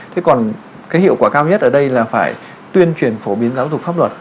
thế còn cái hiệu quả cao nhất ở đây là phải tuyên truyền phổ biến giáo dục pháp luật